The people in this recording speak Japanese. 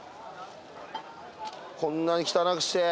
こんなに汚くして。